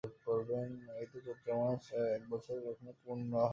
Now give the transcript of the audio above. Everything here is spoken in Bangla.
এই তো চৈত্র মাস, এক বৎসর এখনও পূর্ণ হয় নাই।